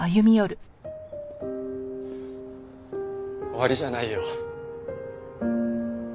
終わりじゃないよ。